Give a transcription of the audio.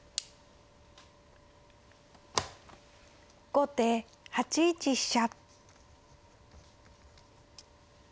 後手８一飛車。